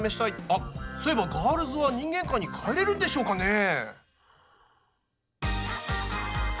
あっそういえばガールズは人間界に帰れるんでしょうかねぇ？